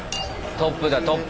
トップだトップ。